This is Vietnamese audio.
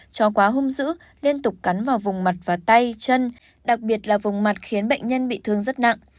chó quá hung dữ liên tục cắn vào vùng mặt và tay chân đặc biệt là vùng mặt khiến bệnh nhân bị thương rất nặng